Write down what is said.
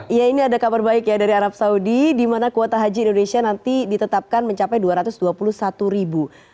iya ini ada kabar baik ya dari arab saudi di mana kuota haji indonesia nanti ditetapkan mencapai dua ratus dua puluh satu ribu